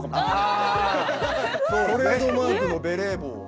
トレードマークのベレー帽を。